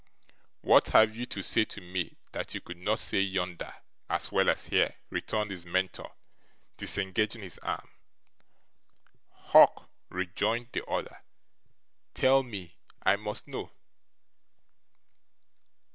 'What have you to say to me, that you could not say yonder as well as here?' returned his Mentor, disengaging his arm. 'Hawk,' rejoined the other, 'tell me; I must know.